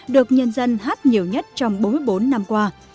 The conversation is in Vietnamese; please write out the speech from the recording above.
được nhân dân hát nhiều nhất trong bốn mươi bốn năm qua